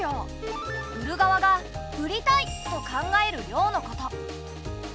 売る側が「売りたい」と考える量のこと。